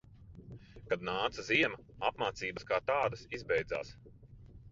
Kad nāca ziema, apmācības, kā tādas, izbeidzās.